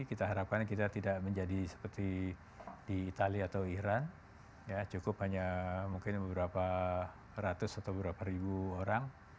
kita harapkan kita tidak menjadi seperti di itali atau iran cukup hanya mungkin beberapa ratus atau beberapa ribu orang